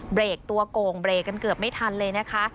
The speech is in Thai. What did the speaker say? เบรกตัวโก่งเบรกกันเกือบไม่ทันเลยนะคะ